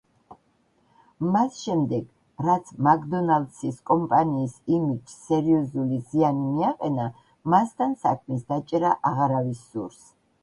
მას შემდეგ, რაც მაკდონალდსის კომპანიის იმიჯს სერიოზული ზიანი მიაყენა, მასთან საქმის დაჭერა აღარავის სურს.